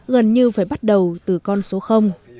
gần như phải bắt đầu từ con số